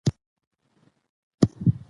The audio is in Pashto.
د مور پاکوالی د ماشوم روغتيا ساتي.